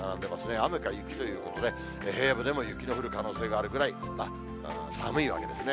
雨か雪ということで、平野部でも雪の降る可能性があるぐらい、寒いわけですね。